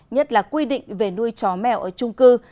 nhất là quy định về nuôi chó mèo ở trung cư